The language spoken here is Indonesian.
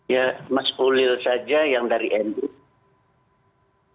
ya mas ulil saja yang dari nu